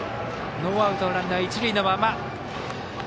ノーアウトランナー、一塁のまま。